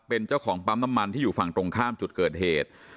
เป็นเจ้าของปั๊มน้ำมันที่อยู่ฝั่งตรงข้ามจุดเกิดเหตุ